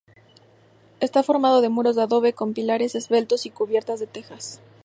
Está formado de muros de adobe con pilares esbeltos, y cubierta de tejas.